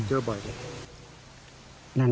เจอบ่อยไหม